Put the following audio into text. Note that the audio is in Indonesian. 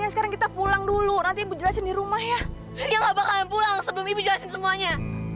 sekarang kita pulang dulu nanti jelasin di rumah ya nggak bakalan pulang sebelum jelasin semuanya